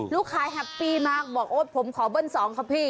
ลูกค้าแฮปปี้มากบอกโอ๊ดผมขอเบิ้ล๒ค่ะพี่